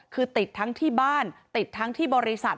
คือติดทั้งที่บ้านติดทั้งที่บริษัท